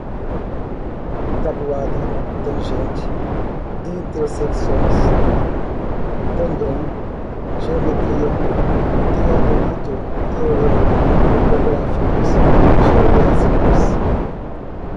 tabuada, tangente, intersecções, tangram, geometria, teodolito, teorema, topográficos, geodésicos